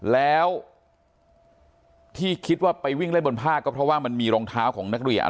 แล้วที่คิดว่าไปวิ่งเล่นบนผ้าก็เพราะว่ามันมีรองเท้าของนักเรียน